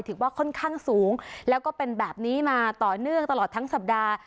ถือว่าค่อนข้างสูงแล้วก็เป็นแบบนี้มาต่อเนื่องตลอดทั้งสัปดาห์